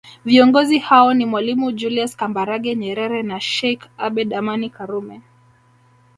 Viongozi hao ni mwalimu Julius Kambarage Nyerere na Sheikh Abed Amani Karume